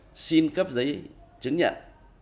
nhà nước xin cấp giấy chứng nhận